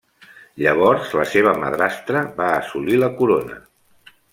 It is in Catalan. Llavors la seva madrastra va assolir la corona.